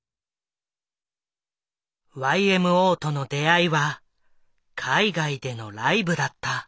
ＹＭＯとの出会いは海外でのライブだった。